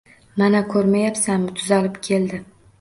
Mana, ko'rmayapsanmi, tuzalib keldi.